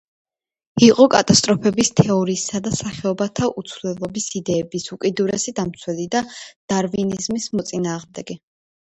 იყო კატასტროფების თეორიისა და სახეობათა უცვლელობის იდეების უკიდურესი დამცველი და დარვინიზმის მოწინააღმდეგე.